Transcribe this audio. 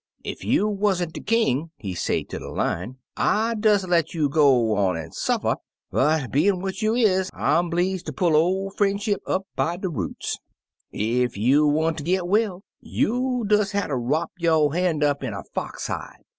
*Ef you wa'n't de King,' he say ter de Lion, * I 'd des let you go on an' suffer, but bein' what you is, I 'm bleeze ter pull ol' frien'ship up by de roots, Ef you wanter git well, you'll des hatter wrop yo' han' up in a fox hide.